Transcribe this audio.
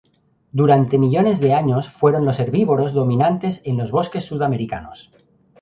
Durante millones de años fueron los herbívoros dominantes en los bosques sudamericanos.